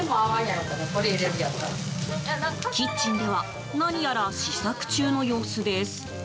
キッチンでは何やら試作中の様子です。